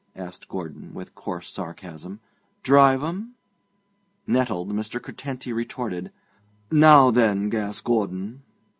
asked Gordon, with coarse sarcasm; 'drive 'em?' Nettled, Mr. Curtenty retorted: 'Now, then, Gas Gordon!'